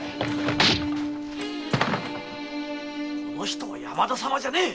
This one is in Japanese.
この人は山田様じゃねえ。